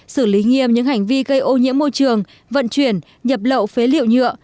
xử lý nghiêm những hành vi gây ô nhiễm môi trường vận chuyển nhập lậu phế liệu nhựa